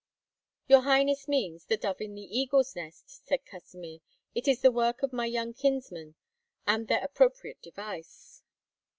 "Your highness means, 'The Dove in the Eagle's Nest,'" said Kasimir. "It is the work of my young kinsmen, and their appropriate device."